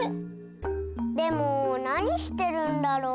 でもなにしてるんだろう？